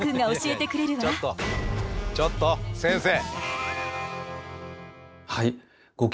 ちょっと先生。